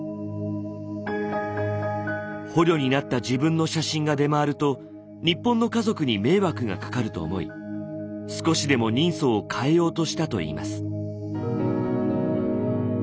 捕虜になった自分の写真が出回ると日本の家族に迷惑がかかると思い少しでも人相を変えようとしたといいます。